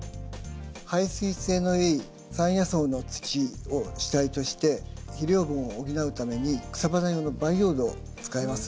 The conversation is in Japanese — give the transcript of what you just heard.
排水性のいい山野草の土を主体として肥料分を補うために草花用の培養土を使います。